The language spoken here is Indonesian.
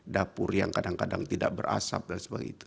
dapur yang kadang kadang tidak berasap dan sebagainya